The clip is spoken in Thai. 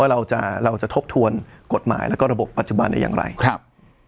เราจะเราจะทบทวนกฎหมายแล้วก็ระบบปัจจุบันได้อย่างไรครับ